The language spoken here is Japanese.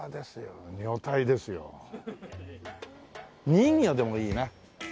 人魚でもいいな。